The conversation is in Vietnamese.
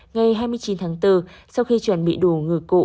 ngày hai mươi chín tháng bốn sau khi chuẩn bị đủ cụ